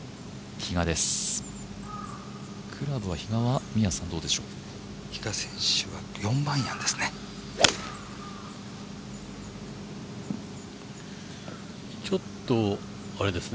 比嘉選手は４番アイアンですね。